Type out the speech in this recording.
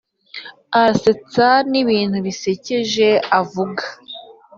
aransetsa nibintu bisekeje avuga.